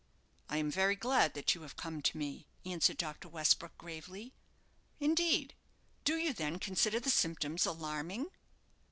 "I am very glad that you have come to me," answered Dr. Westbrook, gravely. "Indeed! do you, then, consider the symptoms alarming?"